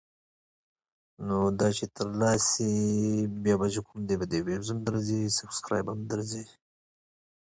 The roof was ridged with broad shelves on either side.